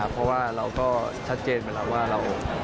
เพราะว่าเราก็ชัดเจนไปแล้วว่าเรา